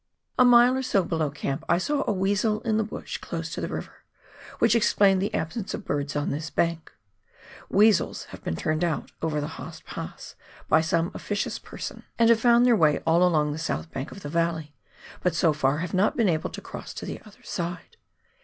A mile or so below camp I saw a weasel in the bush close to the river, which explained the absence of birds on this bank. Weasels have been turned out over the Haast Pass by some officious person, and have 220 PIONEER WORK IN THE ALPS OF NEW ZEALAND. found their way all along tlie south bank of the valley, but so far have not been able to cross to the other side.